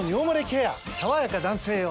さわやか男性用」